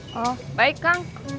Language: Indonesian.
oh baik kang